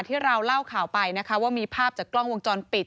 ที่เราเล่าข่าวไปนะคะว่ามีภาพจากกล้องวงจรปิด